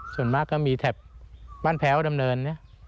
ส่วนมากก็มีแถบบ้านแพ้วดำเนินนะ